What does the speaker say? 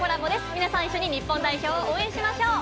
皆さん一緒に日本代表を応援しましょう。